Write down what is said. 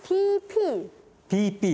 「ＰＰ」。